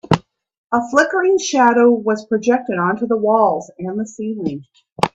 A flickering shadow was projected onto the walls and the ceiling.